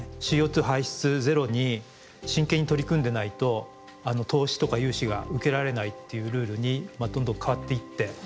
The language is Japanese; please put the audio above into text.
ＣＯ排出ゼロに真剣に取り組んでないと投資とか融資が受けられないっていうルールにどんどん変わっていって。